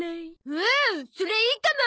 おおそれいいかも！